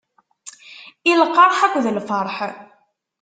I lqerḥ akked lferḥ.